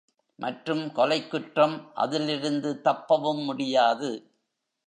மற்றும் கொலைக்குற்றம், அதிலிருந்து தப்பவும் முடியாது.